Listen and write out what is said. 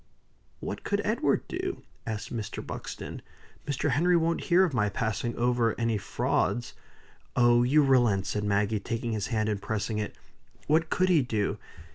"What could Edward do?" asked Mr. Buxton. "Mr. Henry won't hear of my passing over any frauds." "Oh, you relent!" said Maggie, taking his hand, and pressing it. "What could he do?